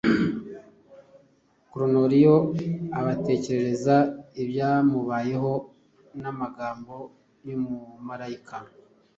Koruneliyo abatekerereza ibyamubayeho n’amagambo y’umumarayika